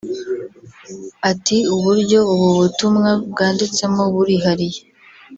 Ati “Uburyo ubu butumwa bwanditsemo burihariye